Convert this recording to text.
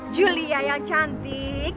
julia yang cantik